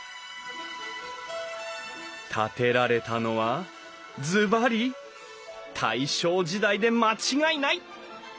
建てられたのはズバリ大正時代で間違いない！